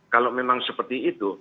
kalau memang seperti itu